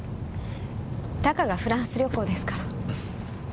たかがフランス旅行ですから。